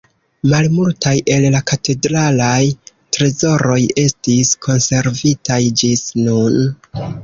Malmultaj el la katedralaj trezoroj estis konservitaj ĝis nun.